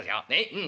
うん。